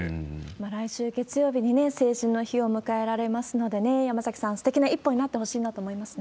来週月曜日に成人の日を迎えられますのでね、山崎さん、すてきな一歩になってほしいなと思いますね。